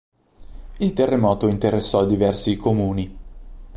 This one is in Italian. Il terremoto interessò diversi comuni.